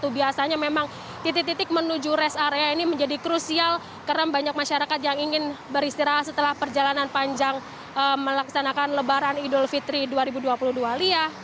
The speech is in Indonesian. biasanya memang titik titik menuju rest area ini menjadi krusial karena banyak masyarakat yang ingin beristirahat setelah perjalanan panjang melaksanakan lebaran idul fitri dua ribu dua puluh dua lia